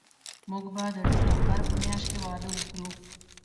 موږ به د ډسمبر په میاشت کې واده وکړو